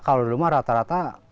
kalau rumah rata rata